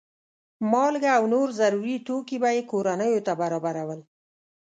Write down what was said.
مالګه او نور ضروري توکي به یې کورنیو ته برابرول.